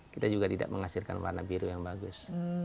kita juga tidak menghasilkan warna biru yang bagus